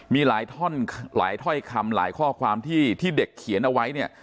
มีหลายท่อนหลายถ้อยคำหลายข้อความที่เด็กเขียนเอาไว้เนี่ย